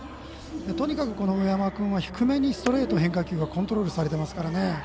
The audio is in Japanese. とにかく上山君は低めにストレートと変化球がコントロールされてますから。